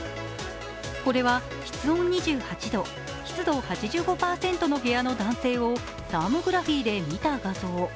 これは室温２８度、湿度８５％の部屋の男性をサーモグラフィーで見た画像。